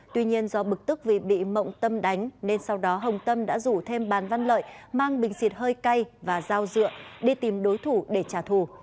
tuy nhiên do bực tức vì bị mộng tâm đánh nên sau đó hồng tâm đã rủ thêm bán văn lợi mang bình xịt hơi cay và dao dựa đi tìm đối thủ để trả thù